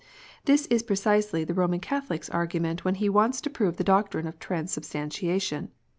, This is precisely the Roman Catholic s argument when lie wants to prove the doctrine of transubstantiation.